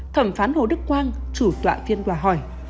thẩm phán hồ đức quang chủ tọa phiên tòa hỏi